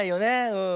うん。